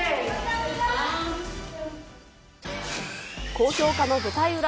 高評価の舞台裏